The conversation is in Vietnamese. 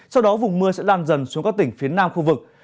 sau đó vùng mưa sẽ lan dần xuống các tỉnh phía nam khu vực